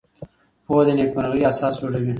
پوهه د نېکمرغۍ اساس جوړوي.